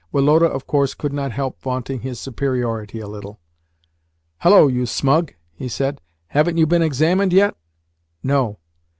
Woloda, of course, could not help vaunting his superiority a little. "Hullo, you smug!" he said. "Haven't you been examined yet?" "No."